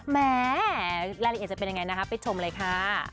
แม้รายละเอียดจะเป็นยังไงนะคะไปชมเลยค่ะ